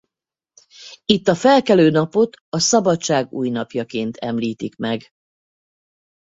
Itt a felkelő napot a szabadság új napjaként említik meg.